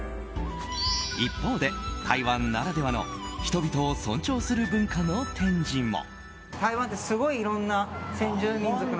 一方で、台湾ならではの人々を尊重する文化の展示も。